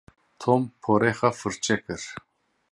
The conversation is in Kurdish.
Tom porê xwe firçe kir.